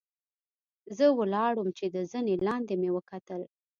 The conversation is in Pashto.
زۀ ولاړ ووم چې د زنې لاندې مې وکتل